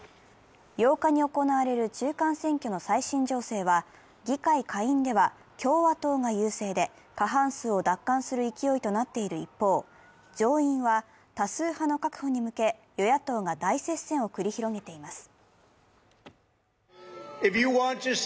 ８日に行われる中間選挙の最新情勢は、議会下院では、共和党が優勢で、半数を奪還する勢いとなっている一方、上院は多数派の確保に向け、与野党が大接戦を繰り広げています。